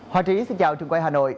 hòa chí xin chào trường quay hà nội